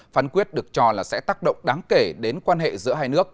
phán quyết được cho là sẽ tác động đáng kể đến quan hệ giữa hai nước